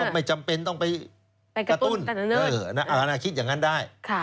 ไม่จำเป็นต้องไปกระตุ้นคิดอย่างนั้นได้